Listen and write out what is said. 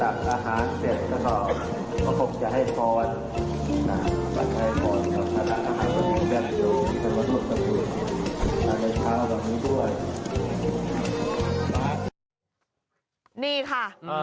นี่ค่ะเห็นใช่ไหมคะ